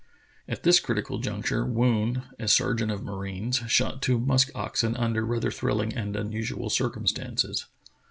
At this critical juncture, Woon, a sergeant of marines, shot two musk oxen under rather thrilling and unusual circumstances.